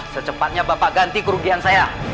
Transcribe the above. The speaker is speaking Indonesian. secepatnya bapak ganti kerugian saya